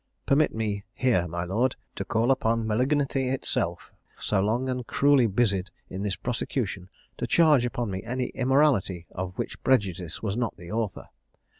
Permit me here, my lord, to call upon malignity itself, so long and cruelly busied in this prosecution, to charge upon me any immorality of which prejudice was not the author.